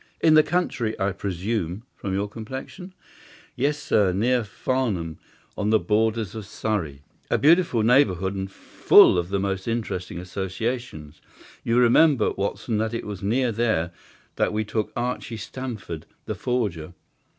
"In the country, I presume, from your complexion." "Yes, sir; near Farnham, on the borders of Surrey." "A beautiful neighbourhood and full of the most interesting associations. You remember, Watson, that it was near there that we took Archie Stamford, the forger.